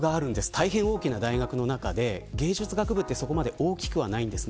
大変大きな大学の中で芸術学部はそこまで大きくはないんです。